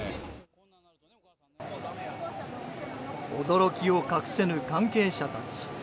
驚きを隠せぬ関係者たち。